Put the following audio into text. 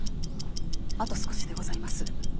あと少しでございます。